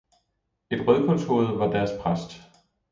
Et rødkålshoved var deres præst